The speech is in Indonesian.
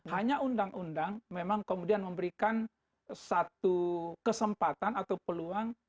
hanya undang undang memang kemudian memberikan satu kesempatan atau peluang